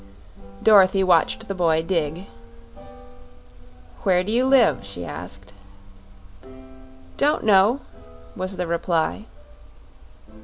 Dorothy watched the boy dig. "Where do you live?" she asked. "Don't know," was the reply.